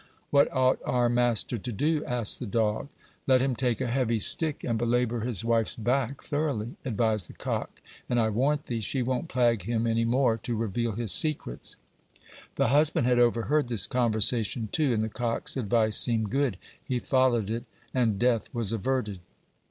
"What ought our master to do?" asked the dog. "Let him take a heavy stick and belabor his wife's back thoroughly," advised the cock, "and I warrant thee, she won't plague him any more to reveal his secrets." The husband had overheard this conversation, too, and the cock's advice seemed good. He followed it, and death was averted.